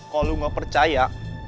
kalau lo gak percaya